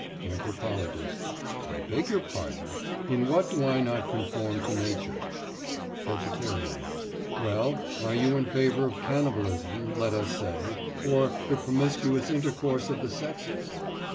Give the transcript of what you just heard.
ANTHROPOLOGIST: I beg your pardon. In what do I not conform to Nature? VEGETARIAN: Well, are you in favour of cannibalism, let us say, or the promiscuous intercourse of the sexes?